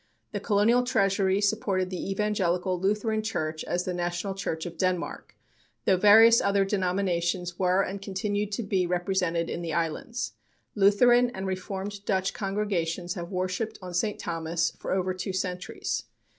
The Colonial Treasury supported the Evangelical Lutheran Church as the national church of Denmark, though various other denominations were and continue to be represented in the islands. Lutheran and Reformed Dutch congregations have worshipped on St. Thomas for over two centuries.